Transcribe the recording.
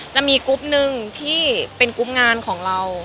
จะมีกรุ๊ปนึงที่เป็นกรุ๊ปงานของเรา